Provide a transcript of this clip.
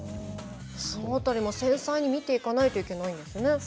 そのあたりも繊細に見ていかないといけないんですね。